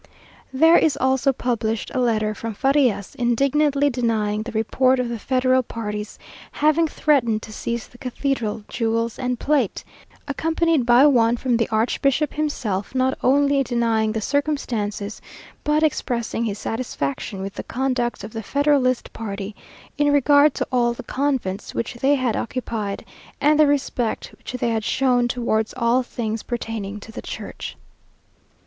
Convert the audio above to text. There is also published a letter from Farias, indignantly denying the report of the federal party's having threatened to seize the cathedral jewels and plate; accompanied by one from the archbishop himself, not only denying the circumstances, but expressing his satisfaction with the conduct of the federalist party in regard to all the convents which they had occupied, and the respect which they had shown towards all thing's pertaining to the church.